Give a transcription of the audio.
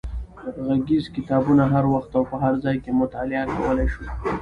غږیز کتابونه هر وخت او په هر ځای کې مطالعه کولای شو.